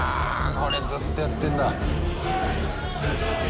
これずっとやってんだ。